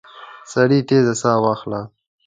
سړي تېزه ساه وهله.